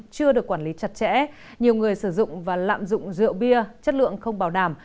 chưa được quản lý chặt chẽ nhiều người sử dụng và lạm dụng rượu bia chất lượng không bảo đảm